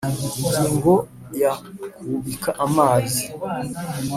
Ingingo ya kubika amazi